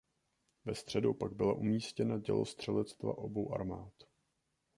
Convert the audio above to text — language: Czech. Ve středu pak byla umístěna dělostřelectva obou armád.